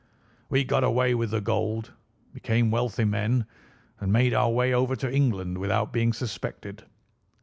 We got away with the gold, became wealthy men, and made our way over to England without being suspected.